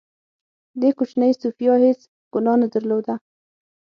دې کوچنۍ سوفیا هېڅ ګناه نه درلوده